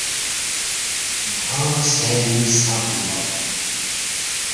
انهار سامي ساقطا.